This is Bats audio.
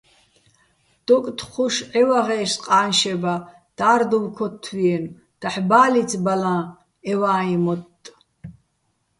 დოკთხუშ ჺევაღე́ს ყა́ნშება და́რდუვ ქოთთვიენო̆: დაჰ̦ ბა́ლიც ბალაჼ ე ვა́იჼ მოტტ.